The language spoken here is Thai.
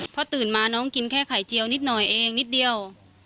พอตื่นมาน้องกินแค่ไข่เจียวนิดหน่อยเองนิดเดียว